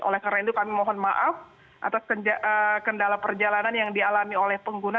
oleh karena itu kami mohon maaf atas kendala perjalanan yang dialami oleh pengguna